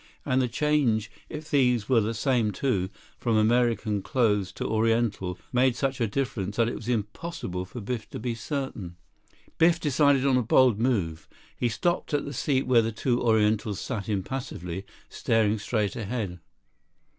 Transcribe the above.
And the change, if these were the same two, from American clothes to Oriental, made such a difference that it was impossible for Biff to be certain. 24 Biff decided on a bold move. He stopped at the seat where the two Orientals sat impassively, staring straight ahead.